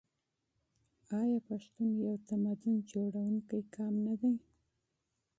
آیا پښتون یو تمدن جوړونکی قوم نه دی؟